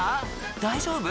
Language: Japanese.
大丈夫？